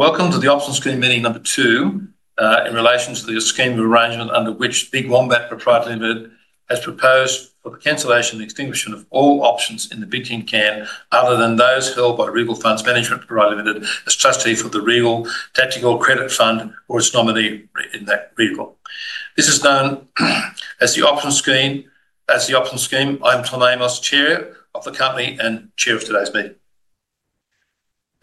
Welcome to the option scheme meeting number two in relation to the scheme of arrangement under which Big Wombat Pty Ltd has proposed for the cancellation and extinguishment of all options in Bigtincan other than those held by Regal Funds Management Pty Ltd as trustee for the Regal Tactical Credit Fund or its nominee in that Regal. This is known as the option scheme. I am Tom Amos, Chair of the Company and Chair of today's meeting.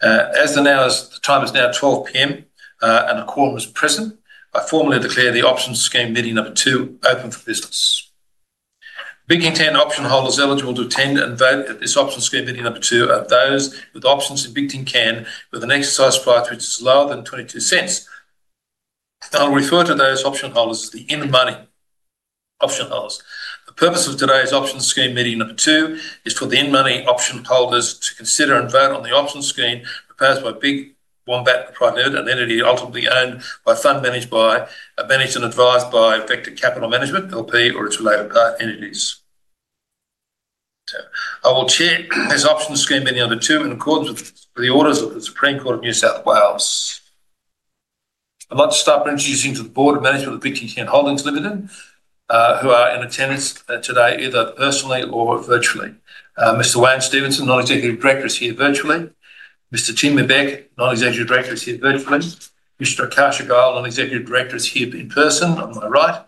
As the time is now 12:00 P.M. and a quorum is present, I formally declare the option scheme meeting number two open for business. Bigtincan option holders eligible to attend and vote at this option scheme meeting number two are those with options in Bigtincan with an exercise price which is lower than 22 cents. I'll refer to those option holders as the in-the-money option holders. The purpose of today's option scheme meeting number two is for the in-the-money option holders to consider and vote on the option scheme proposed by Big Wombat Pty Ltd, an entity ultimately owned by a fund managed and advised by Vector Capital Management, L.P. or its related entities. I will chair this option scheme meeting number two in accordance with the orders of the Supreme Court of New South Wales. I'd like to start by introducing the board of management of Bigtincan Holdings Ltd, who are in attendance today either personally or virtually. Mr. Wayne Stevenson, Non-Executive Director, is here virtually. Mr. Tim Ebbeck, Non-Executive Director, is here virtually. Mr. Akash Goyal, Non-Executive Director, is here in person on my right.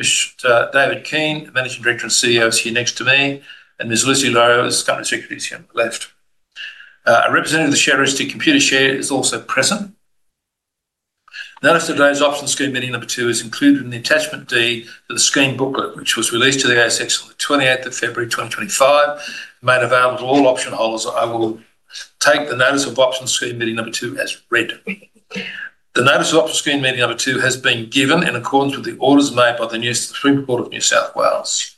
Mr. David Keane, Managing Director and CEO, is here next to me. Ms. Lucy Rowe, Company Secretary, is here on the left. A representative of the Computershare is also present. Notice today's option scheme meeting number two is included in the attachment D to the scheme booklet, which was released to the ASX on February 28, 2025, made available to all option holders. I will take the notice of option scheme meeting number two as read. The notice of option scheme meeting number two has been given in accordance with the orders made by the Supreme Court of New South Wales.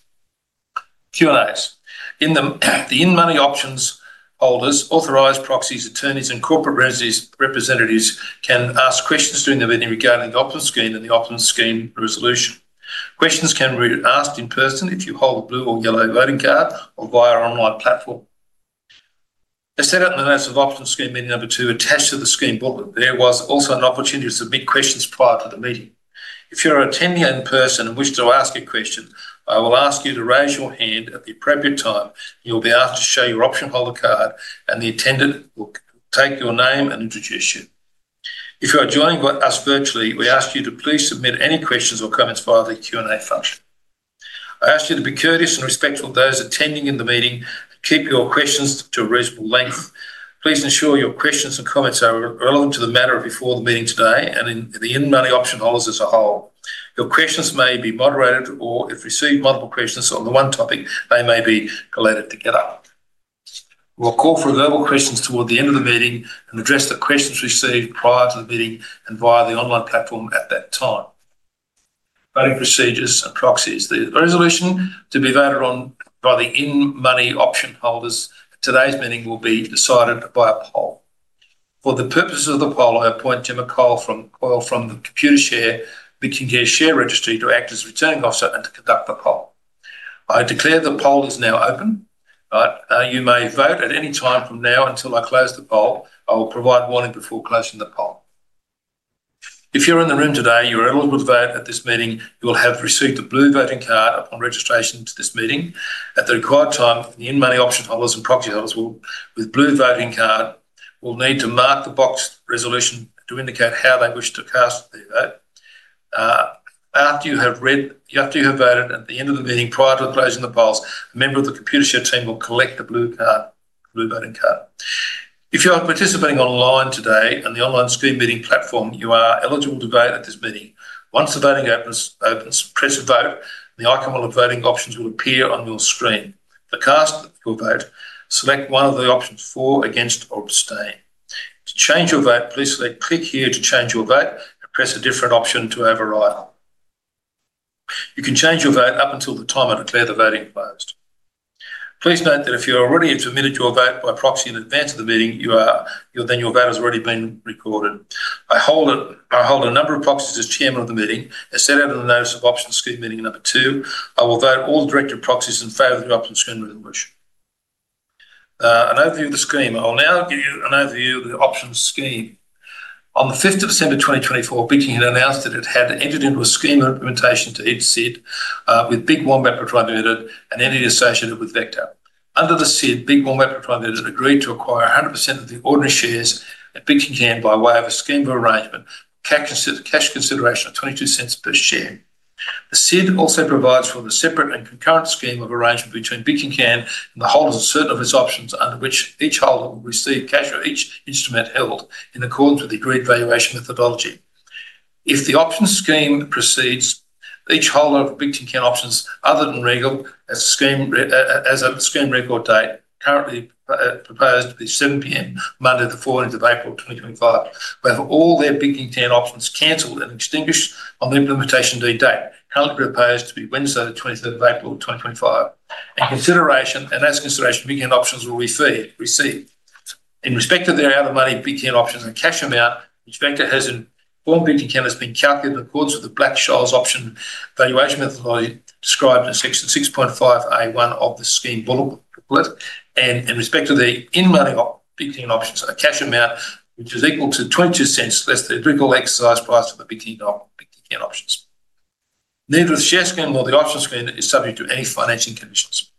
Q&As. In the in-the-money options, holders, authorized proxies, attorneys, and corporate representatives can ask questions during the meeting regarding the option scheme and the option scheme resolution. Questions can be asked in person if you hold a blue or yellow voting card or via our online platform. They are set up in the notice of option scheme meeting number two attached to the scheme booklet. There was also an opportunity to submit questions prior to the meeting. If you're attending in person and wish to ask a question, I will ask you to raise your hand at the appropriate time. You'll be asked to show your option holder card, and the attendant will take your name and introduce you. If you are joining us virtually, we ask you to please submit any questions or comments via the Q&A function. I ask you to be courteous and respectful of those attending in the meeting. Keep your questions to a reasonable length. Please ensure your questions and comments are relevant to the matter before the meeting today and the in-the-money option holders as a whole. Your questions may be moderated, or if you receive multiple questions on the one topic, they may be collated together. We'll call for verbal questions toward the end of the meeting and address the questions received prior to the meeting and via the online platform at that time. Voting procedures and proxies. The resolution to be voted on by the in-the-money option holders at today's meeting will be decided by a poll. For the purposes of the poll, I appoint Jim McCoyle from Computershare, Bigtincan share registry, to act as returning officer and to conduct the poll. I declare the poll is now open. You may vote at any time from now until I close the poll. I will provide warning before closing the poll. If you're in the room today, you're eligible to vote at this meeting. You will have received a blue voting card upon registration to this meeting. At the required time, the in-the-money option holders and proxy holders with blue voting card will need to mark the box resolution to indicate how they wish to cast their vote. After you have voted at the end of the meeting prior to the closing of the polls, a member of the Computershare team will collect the blue voting card. If you are participating online today on the online scheme meeting platform, you are eligible to vote at this meeting. Once the voting opens, press vote. The icon of voting options will appear on your screen. To cast your vote, select one of the options for, against, or abstain. To change your vote, please click here to change your vote and press a different option to override. You can change your vote up until the time I declare the voting closed. Please note that if you already have submitted your vote by proxy in advance of the meeting, then your vote has already been recorded. I hold a number of proxies as Chairman of the meeting. As set out in the notice of option scheme meeting number two, I will vote all the director proxies in favor of the option scheme resolution. An overview of the scheme. I'll now give you an overview of the option scheme. On the 5th of December 2024, Bigtincan announced that it had entered into a scheme implementation deed, or SID, with Big Wombat Pty Ltd, an entity associated with Vector. Under the SID, Big Wombat Pty Ltd agreed to acquire 100% of the ordinary shares of Bigtincan by way of a scheme of arrangement, cash consideration of 0.22 per share. The SID also provides for the separate and concurrent scheme of arrangement between Bigtincan and the holders of certain of its options under which each holder will receive cash for each instrument held in accordance with the agreed valuation methodology. If the option scheme proceeds, each holder of Bigtincan options other than Regal has a scheme record date currently proposed to be 7:00 P.M., Monday, the 14th of April 2025, with all their Bigtincan options cancelled and extinguished on the implementation due date, currently proposed to be Wednesday, the 23rd of April 2025. In that consideration, Bigtincan options will receive, in respect of their out-of-money Bigtincan options, a cash amount which Vector has informed Bigtincan has been calculated in accordance with the Black-Scholes option valuation methodology described in section 6.5(a)(1) of the scheme booklet. In respect of the in-the-money Bigtincan options, a cash amount which is equal to 0.22 less than the legal exercise price of the Bigtincan options. Neither the share scheme nor the option scheme is subject to any financing conditions.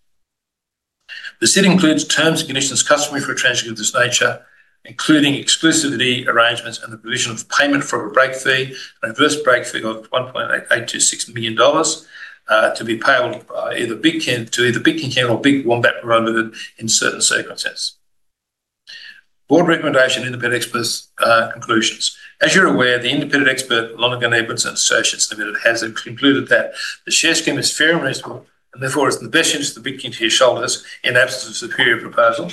The SID includes terms and conditions customary for a transaction of this nature, including exclusivity arrangements and the provision of payment for a break fee, an adverse break fee of 1.826 million dollars to be paid to either Bigtincan or Big Wombat Pty Ltd in certain circumstances. Board recommendation independent expert conclusions. As you're aware, the independent expert, Lonergan Edwards & Associates Limited, has concluded that the share scheme is fair and reasonable and therefore is in the best interest of the Bigtincan shareholders in the absence of a superior proposal.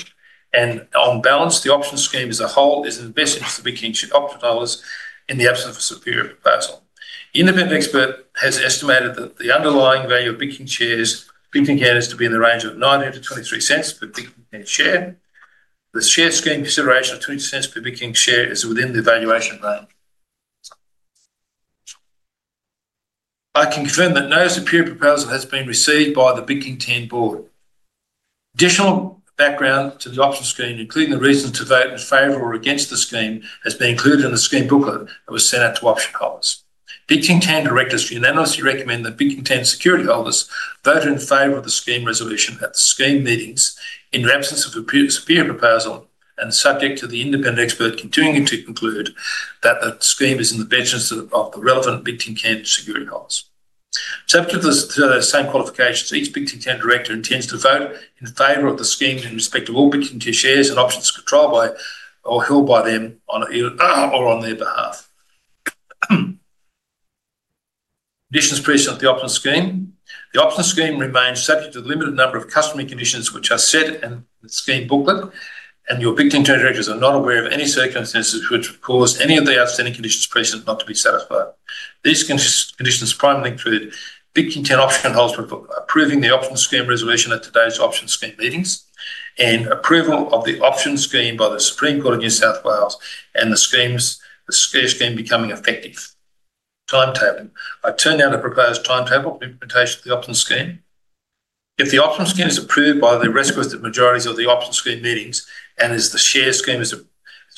On balance, the option scheme as a whole is in the best interest of the Bigtincan shareholders in the absence of a superior proposal. The independent expert has estimated that the underlying value of Bigtincan shares is to be in the range of 19-23 cents per Bigtincan share. The share scheme consideration of 22 cents per Bigtincan share is within the valuation range. I can confirm that no superior proposal has been received by the Bigtincan board. Additional background to the option scheme, including the reason to vote in favor or against the scheme, has been included in the scheme booklet that was sent out to option holders. Bigtincan directors unanimously recommend that Bigtincan security holders vote in favor of the scheme resolution at the scheme meetings in the absence of a superior proposal and subject to the independent expert continuing to conclude that the scheme is in the best interest of the relevant Bigtincan security holders. Subject to the same qualifications, each Bigtincan director intends to vote in favor of the scheme in respect of all Bigtincan shares and options controlled by or held by them or on their behalf. Conditions present at the option scheme. The option scheme remains subject to the limited number of customary conditions which are set in the scheme booklet, and your Bigtincan directors are not aware of any circumstances which have caused any of the outstanding conditions present not to be satisfied. These conditions primarily include Bigtincan option holders approving the option scheme resolution at today's option scheme meetings and approval of the option scheme by the Supreme Court of New South Wales and the share scheme becoming effective. Timetable. I turn now to propose timetable implementation of the option scheme. If the option scheme is approved by the requisite majorities of the option scheme meetings and as the share scheme is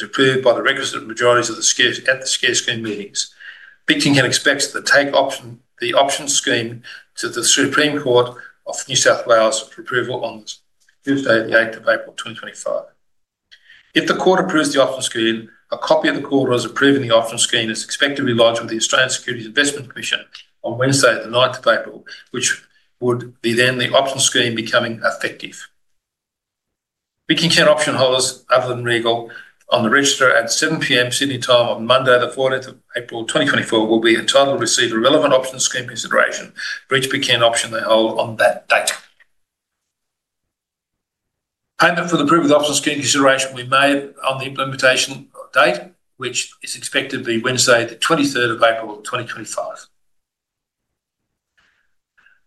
approved by the requisite majorities at the share scheme meetings, Bigtincan expects the option scheme to the Supreme Court of New South Wales for approval on Tuesday, the 8th of April 2025. If the court approves the option scheme, a copy of the court orders approving the option scheme is expected to be lodged with the Australian Securities Investment Commission on Wednesday, the 9th of April, which would be then the option scheme becoming effective. Bigtincan option holders other than Regal on the register at 7:00 P.M. Sydney time on Monday, the 14th of April 2024, will be entitled to receive a relevant option scheme consideration for each Bigtincan option they hold on that date. Payment for the approval of the option scheme consideration will be made on the implementation date, which is expected to be Wednesday, the 23rd of April 2025.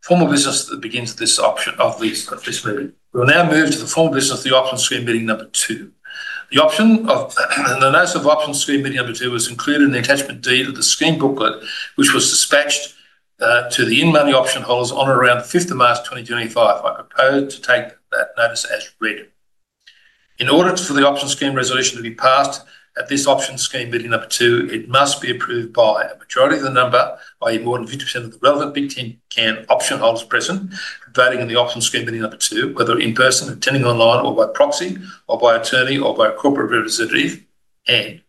Formal business begins at this meeting. We will now move to the formal business of the option scheme meeting number two. The notice of option scheme meeting number two was included in the attachment D to the scheme booklet, which was dispatched to the in-the-money option holders on or around the 5th of March 2025. I propose to take that notice as read. In order for the option scheme resolution to be passed at this option scheme meeting number two, it must be approved by a majority of the number, i.e., more than 50% of the relevant Bigtincan option holders present, voting in the option scheme meeting number two, whether in person, attending online, or by proxy, or by attorney, or by a corporate representative, and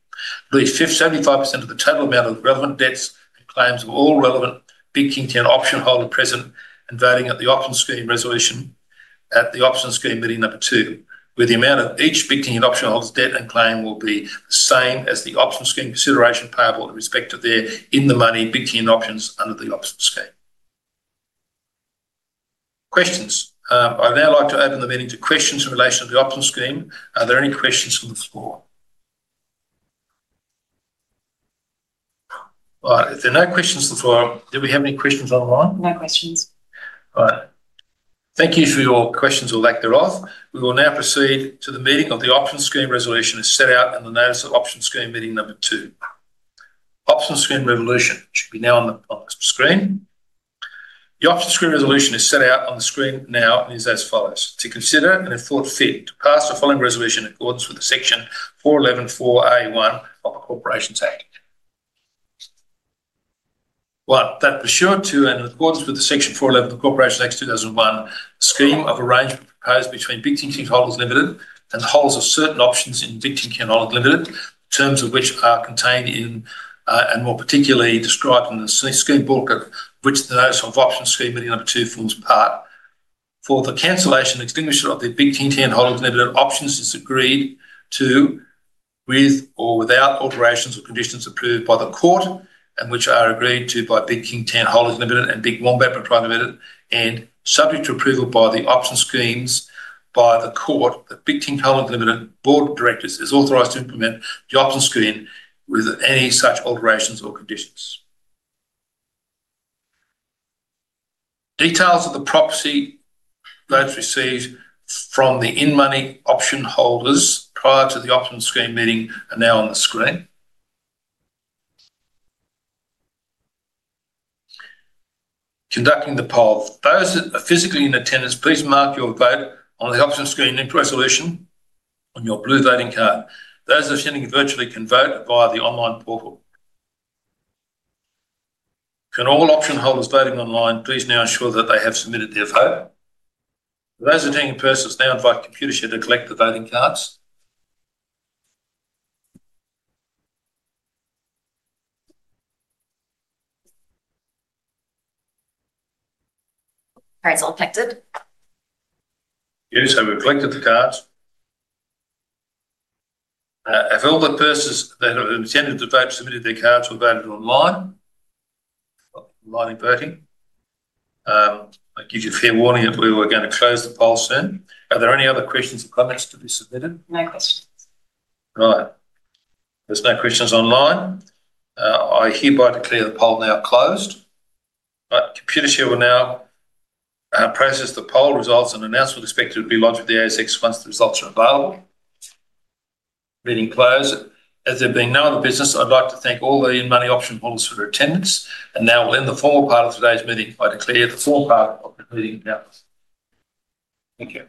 at least 75% of the total amount of relevant debts and claims of all relevant Bigtincan option holders present and voting at the option scheme resolution at the option scheme meeting number two, where the amount of each Bigtincan option holder's debt and claim will be the same as the option scheme consideration payable in respect to their in-the-money Bigtincan options under the option scheme. Questions. I'd now like to open the meeting to questions in relation to the option scheme. Are there any questions from the floor? All right. If there are no questions from the floor, do we have any questions online? No questions. All right. Thank you for your questions. We will act thereof. We will now proceed to the meeting of the option scheme resolution as set out in the notice of option scheme meeting number two. Option scheme resolution should be now on the screen. The option scheme resolution is set out on the screen now and is as follows. To consider and if thought fit to pass the following resolution in accordance with section 411(4)(a)(1) of the Corporations Act. One, that pursuant, two, and in accordance with section 411 of the Corporations Act 2001, the scheme of arrangement proposed between Bigtincan Holdings Ltd and holders of certain options in Bigtincan Holdings Ltd, terms of which are contained in and more particularly described in the scheme booklet, which the notice of option scheme meeting number two forms part. For the cancellation extinguishment of the Bigtincan Holdings Ltd options is agreed to with or without alterations or conditions approved by the court and which are agreed to by Bigtincan Holdings Ltd and Big Wombat Pty Ltd and subject to approval by the option schemes by the court, the Bigtincan Holdings Ltd board of directors is authorized to implement the option scheme with any such alterations or conditions. Details of the proxy votes received from the in-the-money option holders prior to the option scheme meeting are now on the screen. Conducting the poll. Those that are physically in attendance, please mark your vote on the option scheme resolution on your blue voting card. Those attending virtually can vote via the online portal. Can all option holders voting online, please now ensure that they have submitted their vote. For those attending in person, please now invite Computershare to collect the voting cards. Cards all collected. Yes, I've collected the cards. Have all the persons that have attended the vote submitted their cards or voted online? Online voting. I give you a fair warning that we are going to close the poll soon. Are there any other questions or comments to be submitted? No questions. All right. There's no questions online. I hereby declare the poll now closed. Computershare will now process the poll results and announce we will expect to be lodged with the ASX once the results are available. Meeting closed. As there have been no other business, I'd like to thank all the in-money option holders for their attendance. Now we'll end the formal part of today's meeting by declaring the formal part of the meeting now. Thank you.